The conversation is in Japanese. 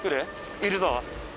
いるぞ。